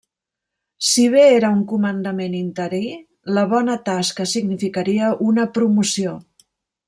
Si bé era un comandament interí, la bona tasca significaria una promoció.